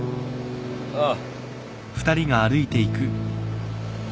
ああ。